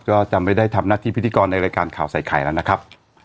ก็จะไม่ได้ทำหน้าที่พิธีกรในรายการข่าวใส่ไข่แล้วนะครับ